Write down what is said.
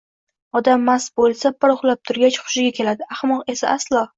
Odam mast bo`lsa, bir uxlab turgach, hushiga keladi, ahmoq esa aslo